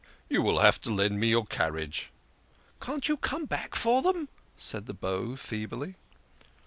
" You will have to lend me your carriage." "Can't you come back for them?" said the Beau feebly.